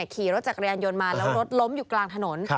ขี่รถจักรยานยนต์มาแล้วรถล้มอยู่กลางถนน